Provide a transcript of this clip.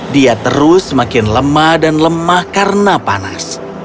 dia terus semakin lemah dan lemah karena panas